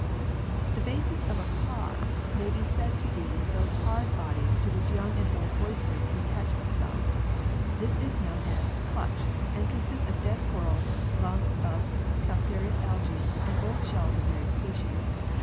The basis of a paar may be said to be those hard bodies to which young and old oysters can attach themselves. This is known as "culch," and consists of dead corals, lumps of calcareous algae, and old shells of various species.